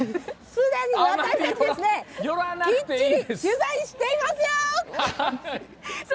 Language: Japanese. すでに私たちきっちり取材していますよ！